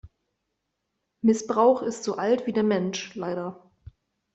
Missbrauch ist so alt wie der Mensch - leider.